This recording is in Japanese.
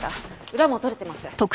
裏も取れてます。